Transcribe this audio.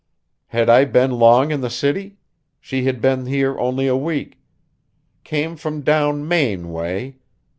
Had I been long in the city? She had been here only a week. Came from down Maine way.